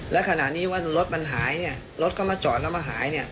และขณะนี้ว่ารถมันหายเนี่ยรถก็มาจอดแล้วมาหายเนี่ย